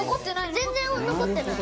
全然残ってない。